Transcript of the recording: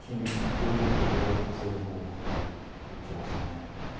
４五とか５四とかそういうとこばっかり言ってましたね。